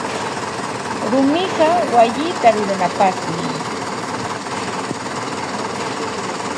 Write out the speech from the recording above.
Rumiqa wayita ruranapaqmi.